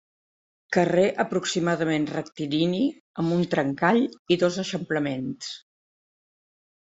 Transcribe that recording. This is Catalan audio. Carrer aproximadament rectilini, amb un trencall i dos eixamplaments.